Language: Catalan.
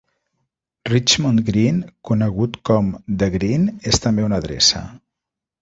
Richmond Green, conegut com "The Green", és també una adreça.